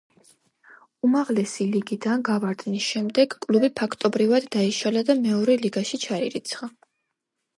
უმაღლესი ლიგიდან გავარდნის შემდეგ კლუბი ფაქტობრივად დაიშალა და მეორე ლიგაში ჩაირიცხა.